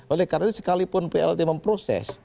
oleh karena itu sekalipun plt memproses